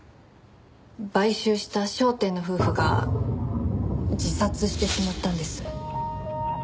買収した商店の夫婦が自殺してしまったんです。